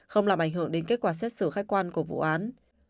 không làm ảnh hưởng đến kết quả xét xử khách quan của vụ án